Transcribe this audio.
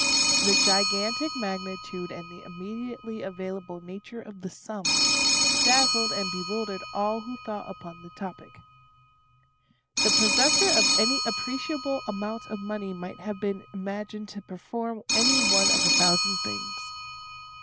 The gigantic magnitude and the immediately available nature of the sum, dazzled and bewildered all who thought upon the topic. The possessor of any appreciable amount of money might have been imagined to perform any one of a thousand things.